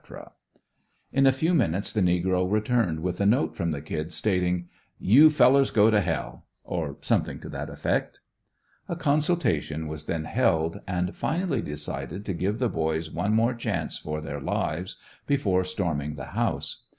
In a few minutes the negro returned with a note from the "Kid," stating: "You fellers go to h l!" or something to that effect. A consultation was then held, and finally decided to give the boys one more chance for their lives, before storming the house.